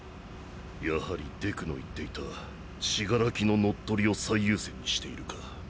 やはりデクの言っていた死柄木の乗っ取りを最優先にしているか。